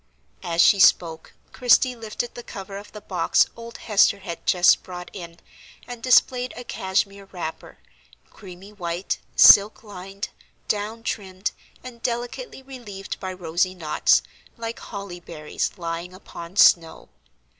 As she spoke Christie lifted the cover of the box old Hester had just brought in, and displayed a cashmere wrapper, creamy white, silk lined, down trimmed, and delicately relieved by rosy knots, like holly berries lying upon snow.